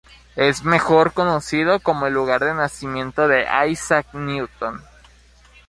Es mejor conocido como el lugar de nacimiento de Isaac Newton.